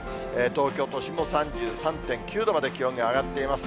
東京都心も３３．９度まで気温が上がっています。